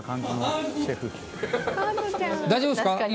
大丈夫っすか？